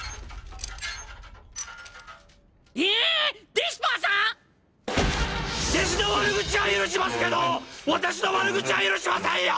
弟子の悪口は許しますけど私の悪口は許しませんよ！！